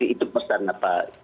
itu pesan pak